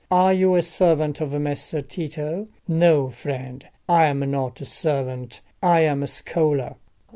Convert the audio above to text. Are you a servant of Messer Tito?" "No, friend, I am not a servant; I am a scholar."